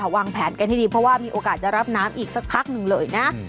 วางแผนกันให้ดีเพราะว่ามีโอกาสจะรับน้ำอีกสักพักหนึ่งเลยนะ